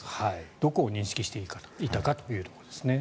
どこを認識していたかということですね。